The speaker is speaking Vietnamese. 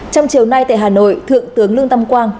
trong chiều nay tại hà nội thượng tướng lương tâm quang